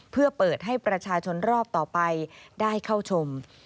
เพื่อเปิดให้ประชาชนรอบต่อไปได้เข้าชม